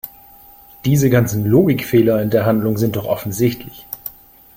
Diese ganzen Logikfehler in der Handlung sind doch offensichtlich!